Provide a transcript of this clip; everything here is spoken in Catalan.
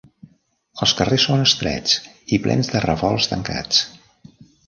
Els carrers són estrets i plens de revolts tancats.